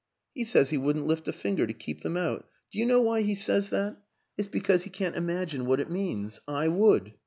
He says he wouldn't lift a finger to keep them out. Do you know why he says that? It's be cause he can't imagine what it means. I would.